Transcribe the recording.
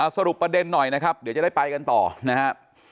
สรุปประเด็นหน่อยนะครับเดี๋ยวจะได้ไปกันต่อนะครับ